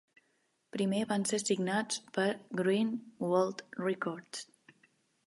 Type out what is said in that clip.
Primer van ser signats per Green World Records.